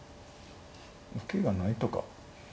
受けがないとか。